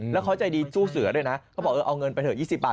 แล้วเขาใจดีสู้เสือด้วยนะเขาบอกเออเอาเงินไปเถอ๒๐บาท